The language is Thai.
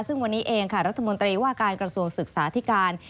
ซึ่งวันนี้เองค่ะรัฐมนตรีว่าการกระทรวงศึกษาธิการ